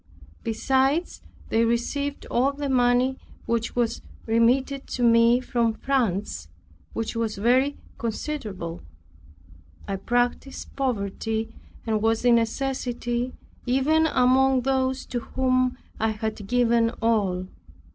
Besides, they received all the money which was remitted to me from France, which was very considerable. I practiced poverty and was in necessity even among those to whom I had given all.